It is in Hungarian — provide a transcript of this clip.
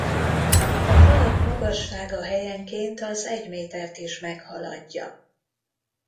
A falak magassága helyenként az egy métert is meghaladja.